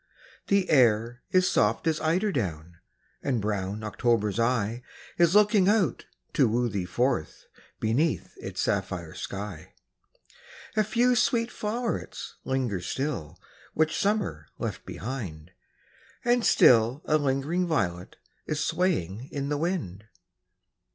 The air is soft as eider down ; And brown October's eye Is looking out to woo thee forth Beneath its sapphire sky. AN AUTUMN INVITATION. 115 A few sweet flow'rets linger still, Which Summer left behind ; And still a lingering violet Is swaying in the wind.